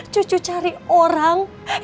cucu cari orang yang mudah